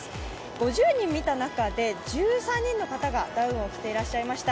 ５０人見た中で１３人の方がダウンを着てらっしゃいました。